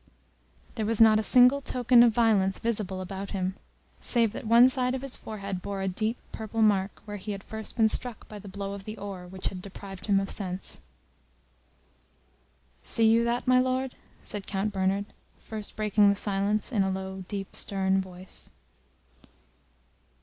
There was not a single token of violence visible about him, save that one side of his forehead bore a deep purple mark, where he had first been struck by the blow of the oar which had deprived him of sense. "See you that, my Lord?" said Count Bernard, first breaking the silence, in a low, deep, stern voice.